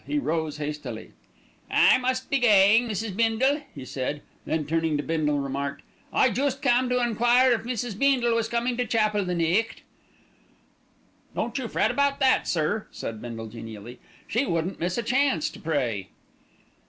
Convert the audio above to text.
He rose hastily. "I must be gaeing, Mrs. Beendle," he said; then turning to Bindle remarked, "I joost cam to enquire if Mrs. Beendle was coming to chapel the nicht." "Don't you fret about that, sir," said Bindle genially. "She wouldn't miss a chance to pray."